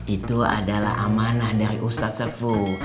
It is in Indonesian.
itu adalah amanah dari ustadz serful